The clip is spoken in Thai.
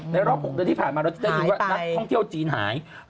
รอบ๖เดือนที่ผ่านมาเราจะได้ยินว่านักท่องเที่ยวจีนหาย